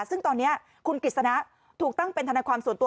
ซึ่งตอนนี้คุณกฤษณะถูกตั้งเป็นทนายความส่วนตัว